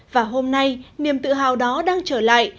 và hôm nay niềm tự hào đó đang trở lại